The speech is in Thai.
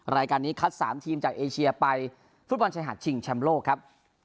รายการนี้คัด๓ทีมจากเอเชียไปฟุตบอลชายหาดชิงแชมป์โลกครับ